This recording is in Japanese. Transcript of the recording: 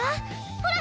ほら！